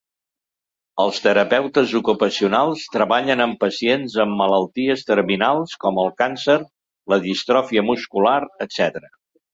Els terapeutes ocupacionals treballen amb pacients amb malalties terminals com el càncer, la distròfia muscular, etc.